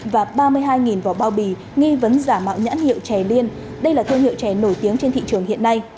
và ba mươi hai vỏ bao bì nghi vấn giả mạo nhãn hiệu chè liên đây là thương hiệu chè nổi tiếng trên thị trường hiện nay